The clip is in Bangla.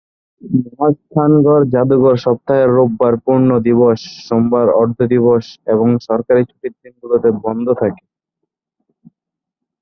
মহাস্থানগড় জাদুঘর সপ্তাহের রোববার পূর্ণ দিবস, সোমবার অর্ধ দিবস এবং সরকারি ছুটির দিনগুলোতে বন্ধ থাকে।